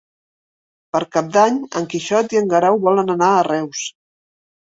Per Cap d'Any en Quixot i en Guerau volen anar a Reus.